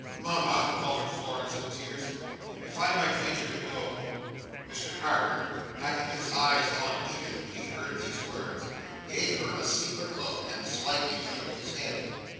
"Mama," faltered Florence in tears, "if I might venture to go!" Mr Carker, having his eyes on Edith when he heard these words, gave her a secret look and slightly shook his head.